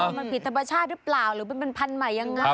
มันผิดธรรมชาติหรือเปล่าหรือมันเป็นพันธุ์ใหม่ยังไง